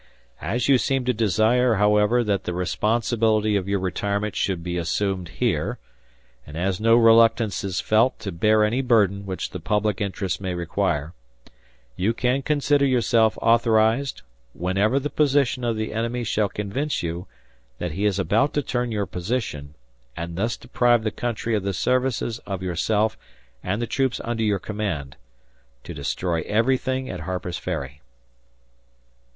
... As you seem to desire, however, that the responsibility of your retirement should be assumed here, and as no reluctance is felt to bear any burden which the public interest may require, you can consider yourself authorized, whenever the position of the enemy shall convince you that he is about to turn your position and thus deprive the country of the services of yourself and the troops under your command, to destroy everything at Harper's Ferry."